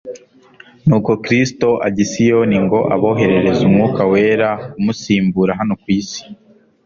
ni uko Kristo ajya I siyoni ngo aboherereze Umwuka wera umusimbura hano ku isi.